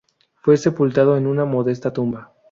Fue sepultado en una modesta tumba.